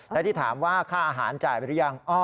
และที่ถามว่าค่าอาหารจ่ายไปหรือยัง